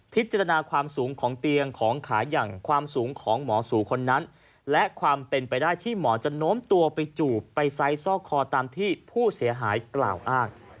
พิจารณาความสูงของเตียงของขายังความสูงของหมอสู่คนนั้นและความเป็นไปได้ที่หมอจะโน้มตัวไปจูบไปไซส์ซอกคอตามที่ผู้เสียหายกล่าวอ้าง